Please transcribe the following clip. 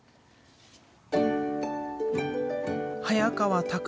早川拓